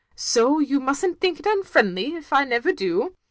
So you must n't think it tmfriendly if I never do.